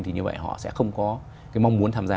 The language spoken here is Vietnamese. thì như vậy họ sẽ không có cái mong muốn tham gia